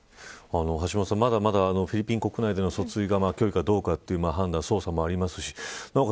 橋下さん、まだまだフィリピン国内での訴追が虚偽かどうかという判断もありますしなおかつ